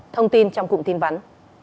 thông tin trong cụm tin vắn